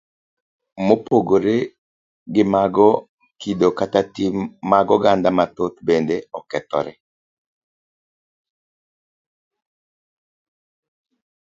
Mopogore gi mago, kido koda tim mag oganda mathoth bende okethore.